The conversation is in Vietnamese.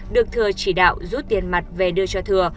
được thừa chỉ đạo rút tiền mặt về đưa cho thừa